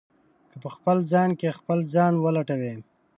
که په خپل ځان کې خپل ځان ولټوئ.